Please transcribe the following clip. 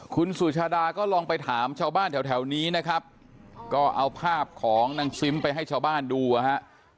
คุณสุชาดาก็ลองไปถามชาวบ้านแถวแถวนี้นะครับก็เอาภาพของนางซิมไปให้ชาวบ้านดูอ่ะฮะ